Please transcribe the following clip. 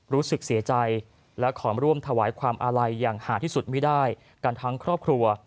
รู้สึกเสียใจและขอร่วมถวายความอาลัยอย่างหาที่สุดไม่ได้กันทั้งครอบครัว